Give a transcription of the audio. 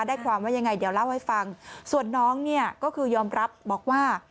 ได้ความว่ายังไงเดี๋ยวเล่าให้ฟังส่วนน้องเนี่ยก็คือยอมรับบอกว่า